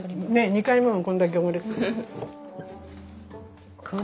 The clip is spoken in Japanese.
２回目もこんだけ汚れてる。